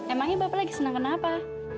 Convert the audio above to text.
emangnya bapak lagi senang kenapa